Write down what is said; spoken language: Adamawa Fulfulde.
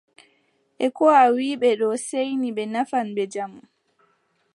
E ko a wii ɓe ɗo seeyni ɓe nafan ɓe jamu.